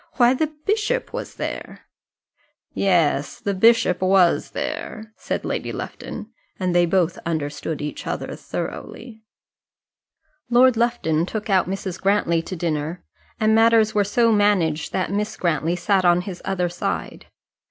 Why, the bishop was there!" "Yes, the bishop was there," said Lady Lufton, and they both understood each other thoroughly. Lord Lufton took out Mrs. Grantly to dinner, and matters were so managed that Miss Grantly sat on his other side.